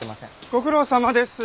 ご苦労さまです。